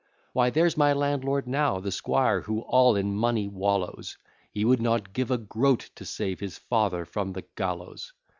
Why, there's my landlord now, the squire, who all in money wallows, He would not give a groat to save his father from the gallows.